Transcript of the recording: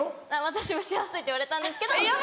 私もしやすいって言われたんですけど。